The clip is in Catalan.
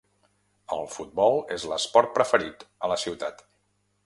El futbol es l'esport preferit a la ciutat.